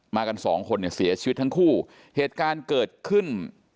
กันสองคนเนี่ยเสียชีวิตทั้งคู่เหตุการณ์เกิดขึ้น